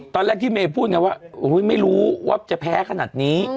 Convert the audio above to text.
ตอนแรกที่เมย์พูดไงว่าไม่รู้ว่าจะแพ้ขนาดนี้